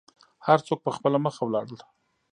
هر څوک په خپله مخه ولاړل.